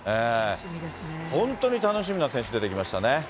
本当に楽しみな選手、出てきましたね。